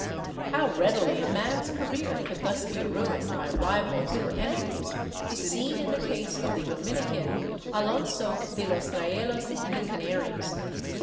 How readily a man's career could thus be ruined by rivals or enemies is seen in the case of the Dominican Alonso de los Raelos in the Canaries.